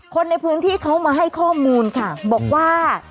คนในพื้นที่เขามาให้ข้อมูลค่ะบอกว่า